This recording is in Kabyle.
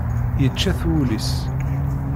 Yečča-t wul-is.